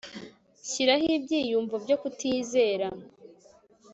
shiraho ibyiyumvo byo kutizera